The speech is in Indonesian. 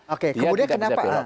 oke kemudian kenapa